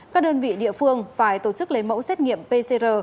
các đơn vị địa phương phải tổ chức lấy mẫu xét nghiệm pcr